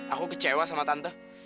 aku kecewa sama tante